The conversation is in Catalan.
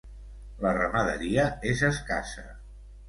La ramaderia és escassa.